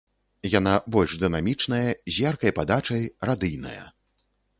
Яна больш дынамічная, з яркай падачай, радыйная.